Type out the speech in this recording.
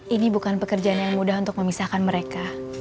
ini bukan pekerjaan yang mudah untuk memisahkan mereka